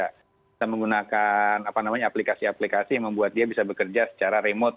kita menggunakan aplikasi aplikasi yang membuat dia bisa bekerja secara remote